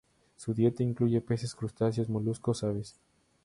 Su dieta incluye peces, crustáceos, moluscos, aves.